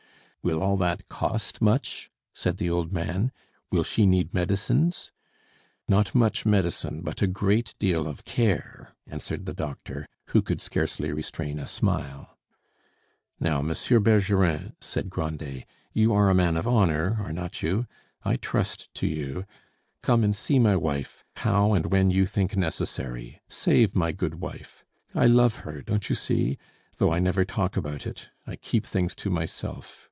"Will all that cost much?" said the old man. "Will she need medicines?" "Not much medicine, but a great deal of care," answered the doctor, who could scarcely restrain a smile. "Now, Monsieur Bergerin," said Grandet, "you are a man of honor, are not you? I trust to you! Come and see my wife how and when you think necessary. Save my good wife! I love her, don't you see? though I never talk about it; I keep things to myself.